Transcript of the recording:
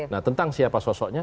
nah tentang siapa sosoknya